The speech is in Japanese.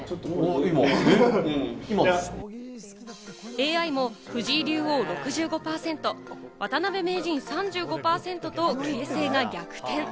ＡＩも藤井竜王６５％、渡辺名人３５％と形勢が逆転。